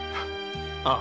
ああ。